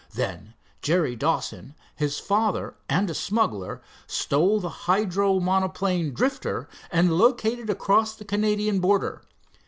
Then Jerry Dawson, his father and a smuggler stole the hydro monoplane, Drifter, and located across the Canadian border.